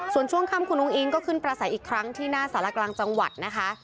ส่วนช่วงค่ำคุณอุ้งอิงก็ขึ้นประสัยอีกครั้งที่หน้าสารกลางจังหวัดนะคะ